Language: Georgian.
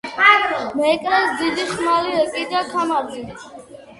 მეკრეს დიდი ხმალი ეკიდა ქამარზე.